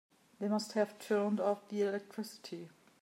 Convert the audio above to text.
They must have turned off the electricity.